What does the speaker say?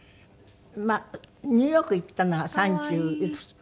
まあニューヨーク行ったのは。